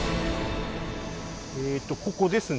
えとここですね。